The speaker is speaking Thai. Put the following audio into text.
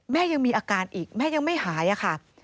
ยังมีอาการอีกแม่ยังไม่หายค่ะ